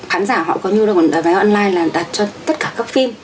khán giả họ có nhu động bán vé online là đặt cho tất cả các phim